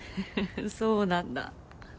そうなんだ。